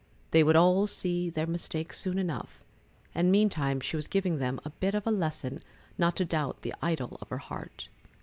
They would all see their mistake soon enough, and meantime she was giving them a bit of a lesson not to doubt the idol of her heart.